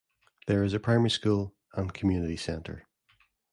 There is a primary school, and Community Centre.